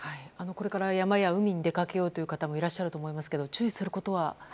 これから山や海に出かけようという方もいらっしゃると思いますけど注意することは？